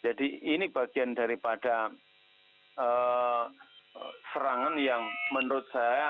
jadi ini bagian daripada serangan yang menurut saya